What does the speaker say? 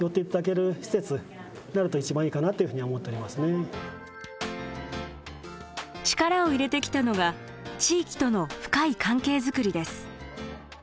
今後ともやはり力を入れてきたのが地域との深い関係づくりです。